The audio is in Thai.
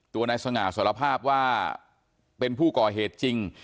นายสง่าสารภาพว่าเป็นผู้ก่อเหตุจริง